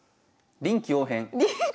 「臨機応変！」。